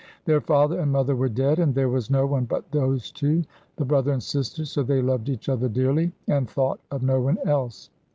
Their father and mother were dead, and there was no one but those two, the brother and sister, so they loved each other dearly, and thought of no one else.